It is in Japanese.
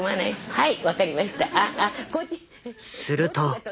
はい。